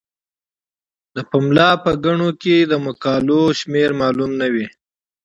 د پملا په ګڼو کې د مقالو شمیر معلوم نه وي.